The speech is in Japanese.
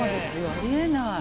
ありえない。